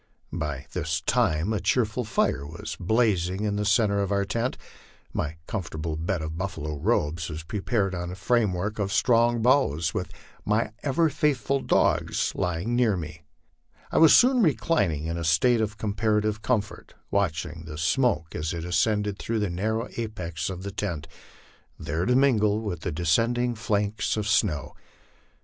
By this time a cheerful fire was blazing in the centre of our tent ; my comfortable bed of buffalo robes was prepared on a framework of strong boughs, and with my ever faithful dogs lying near me, I was soon re clining in a state of comparative comfort, watching the smoke as it ascended through the narrow apex of the tent, there to mingle with the descending flakes of snow.